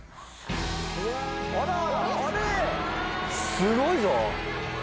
すごいぞ！